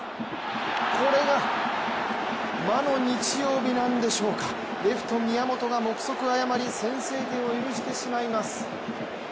これが魔の日曜日なんでしょうかレフト・宮本が目測を誤り先制点を許してしまいます。